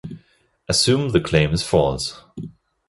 Assume the claim is false.